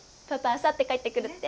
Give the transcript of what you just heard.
あさって帰ってくるって。